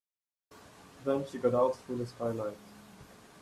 Then she got out through the skylight.